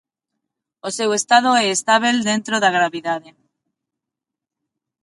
O seu estado é estábel dentro da gravidade.